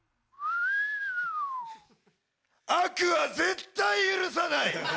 悪は絶対許さない！